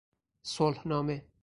صلحنامه